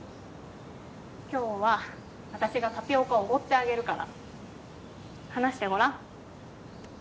今日は私がタピオカおごってあげるから話してごらん。